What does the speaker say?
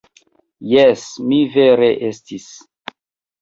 Jes, mi vere estis.